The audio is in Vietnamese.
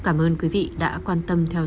cảm ơn quý vị đã quan tâm theo dõi